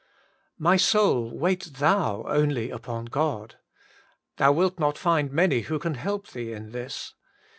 * My soul, wait thou only upon God.' Thou wilt not find many who can help thee in this.